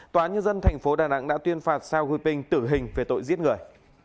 tòa án nhân dân thành phố đà nẵng đã tuyên phạt sao huy pinh tử hình về tội giết người